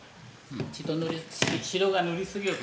ちいと白が塗りすぎよる。